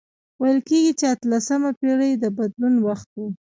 ویل کیږي چې اتلسمه پېړۍ د بدلون وخت و.